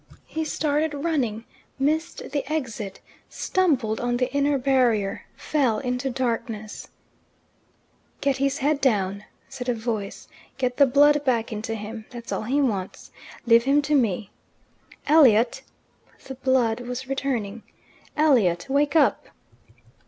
He started running, missed the exit, stumbled on the inner barrier, fell into darkness "Get his head down," said a voice. "Get the blood back into him. That's all he wants. Leave him to me. Elliot!" the blood was returning "Elliot, wake up!"